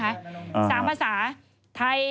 สร้างภาษาไทย